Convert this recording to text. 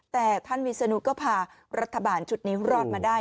แต่ท่านวิศนุก็พารัฐบาลชุดนี้รอดมาได้